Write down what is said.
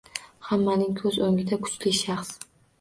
Hammaning ko’z o’ngida kuchli shaxs